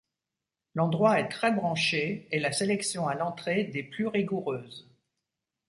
L'endroit est très branché et la sélection à l'entrée des plus rigoureuses.